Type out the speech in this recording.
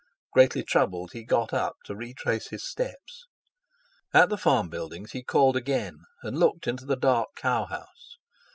Greatly troubled, he got up to retrace his steps. At the farm buildings he called again, and looked into the dark cow house.